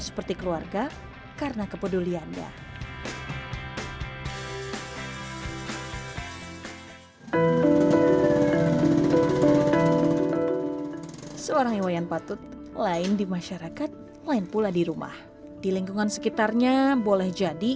seorang yang patut lain di masyarakat lain pula di rumah di lingkungan sekitarnya boleh jadi